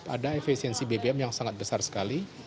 ada efisiensi bbm yang sangat besar sekali